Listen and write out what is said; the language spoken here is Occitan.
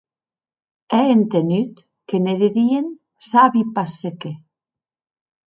È entenut que ne didien sabi pas se qué.